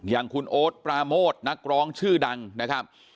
อย่างคุณโอ๊ตปราโมทนักร้องชื่อดังนะครับ